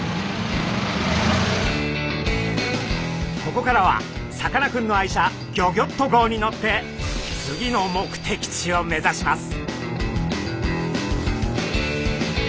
ここからはさかなクンの愛車ギョギョッと号に乗って次の目的地を目指します。